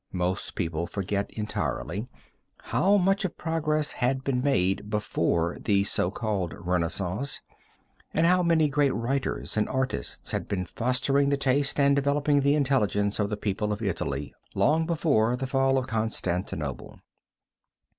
Most people forget entirely how much of progress had been made before the so called Renaissance, and how many great writers and artists had been fostering the taste and developing the intelligence of the people of Italy long before the fall of Constantinople.